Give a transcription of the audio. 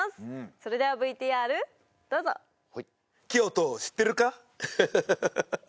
それではＶＴＲどうぞ京都知ってるか？